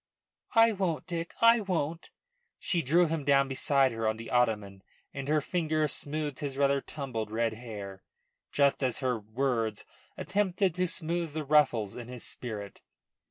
"I won't, Dick. I won't." She drew him down beside her on the ottoman and her fingers smoothed his rather tumbled red hair, just as her words attempted to smooth the ruffles in his spirit.